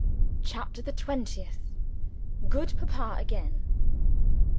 CHAPTER THE TWENTIETH Good Papa again!